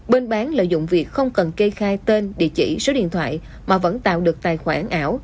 bên bán lợi dụng việc không cần kê khai tên địa chỉ số điện thoại mà vẫn tạo được tài khoản ảo